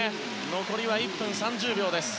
残りは１分３０秒です。